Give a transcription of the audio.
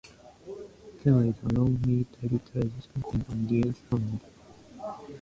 There is a long military tradition in Van Dien's family.